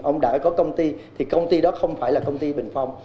ông đã có công ty thì công ty đó không phải là công ty bình phong